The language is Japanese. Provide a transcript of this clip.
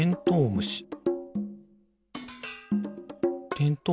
てんとう